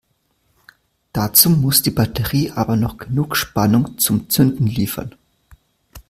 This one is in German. Dazu muss die Batterie aber noch genug Spannung zum Zünden liefern.